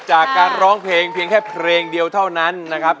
จากการร้องเพลงเพียงแค่เพลงเดียวเท่านั้นนะครับ